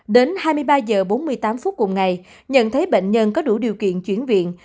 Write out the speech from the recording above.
đến hai mươi ba h bốn mươi tám phút cùng ngày nhận thấy bệnh nhân có đủ điều kiện chuyển viện